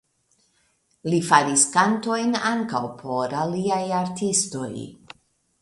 Li faris kantojn ankaŭ por aliaj artistoj.